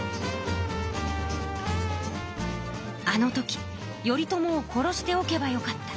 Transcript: あのとき頼朝を殺しておけばよかった。